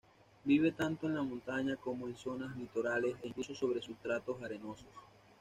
Vive tanto en la montaña como en zonas litorales e incluso sobre sustratos arenosos.